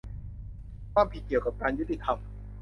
ความผิดเกี่ยวกับการยุติธรรม